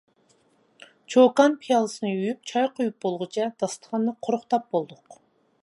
چوكان پىيالىسىنى يۇيۇپ چاي قويۇپ بولغۇچە، داستىخاننى قۇرۇقداپ بولدۇق.